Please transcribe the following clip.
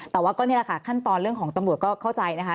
แต่ว่าก็นี่แหละค่ะขั้นตอนเรื่องของตำรวจก็เข้าใจนะคะ